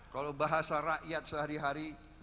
kalau bahasa rakyat sehari hari